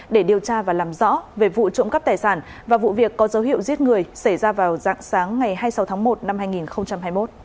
để điều tra và làm rõ về vụ trộm cắp tài sản và vụ việc có dấu hiệu giết người xảy ra vào dạng sáng ngày hai mươi sáu tháng một năm hai nghìn hai mươi một